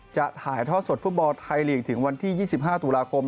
จะถ่ายทอดสดฟุตบอลไทยลีกถึงวันที่๒๕ตุลาคม